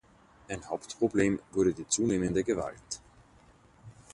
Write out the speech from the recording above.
Ein Hauptproblem wurde die zunehmende Gewalt.